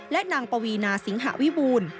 และนางปวีนาสิงหวิบูรณ์